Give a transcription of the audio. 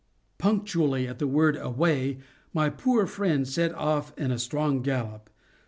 _ Punctually at the word "away," my poor friend set off in a strong gallop.